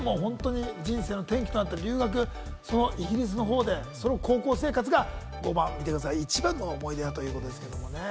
人生の転機となった留学、そのイギリスの方で高校生活が一番の思い出だということですね。